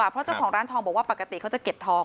เพราะเจ้าของร้านทองบอกว่าปกติเขาจะเก็บทอง